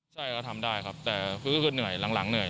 ใช่ก็ทำได้ครับแต่คือเหนื่อยหลังเหนื่อย